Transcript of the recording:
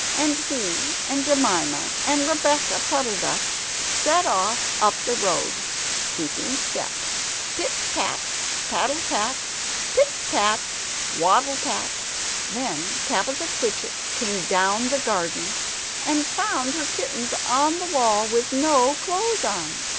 And he and Jemima and Rebeccah Puddle duck set off up the road, keeping step pit pat, paddle pat! pit pat, waddle pat! Then Tabitha Twitchit came down the garden and found her kittens on the wall with no clothes on.